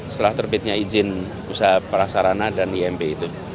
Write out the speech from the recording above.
setelah terbitnya izin usaha para sarana dan imb itu